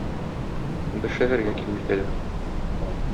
Бер шәһәргә килеп җитәләр.